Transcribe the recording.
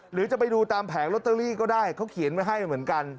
หรือจะไปดูตามแผงลอตเตอรี่ก็ได้เขาเขียนไว้ให้เหมือนกัน